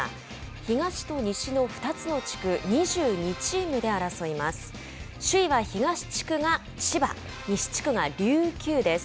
東と西の２つの地区２２チームで争います。